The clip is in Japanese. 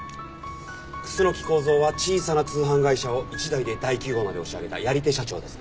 楠木孝蔵は小さな通販会社を一代で大企業まで押し上げたやり手社長です。